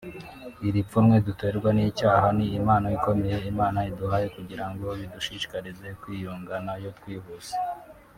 Iri pfunwe duterwa n’icyaha ni impano ikomeye Imana yaduhaye kugira ngo bidushishikarize kwiyunga nayo twihuse